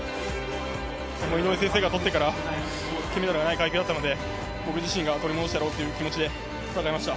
もう井上先生からとってから、金メダルがない階級だったので、僕自身が取り戻してやろうという気持ちで戦いました。